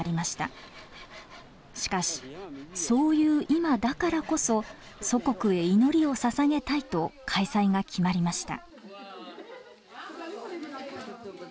しかし「そういう今だからこそ祖国へ祈りをささげたい」と開催が決まりました。